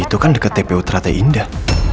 itu kan dekat tpu teratai indah